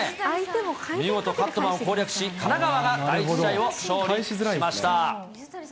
見事、カットマンを攻略し、神奈川が第１試合を勝利しました。